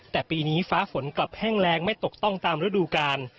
แต่ปีนี้ฟ้าฝนกลับแห้งแรงไม่ตกต้องตามฤดูกาล